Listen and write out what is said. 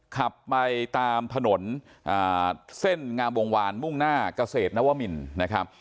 ขับไปตามถนนเส้นงามวงวานมุ่งหน้าเกษตรนวมินนะครับ